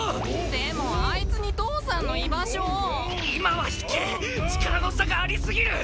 でもあいつに父さんの居場所を今は引け力の差がありすぎる！